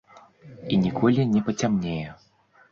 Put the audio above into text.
І ніколі не пацямнее.